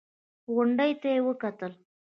غونډۍ ته يې وکتل.